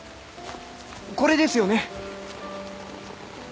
これですよね？